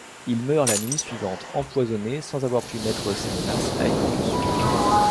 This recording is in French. Il meurt la nuit suivante, empoisonné, sans avoir pu mettre ses menaces à exécution.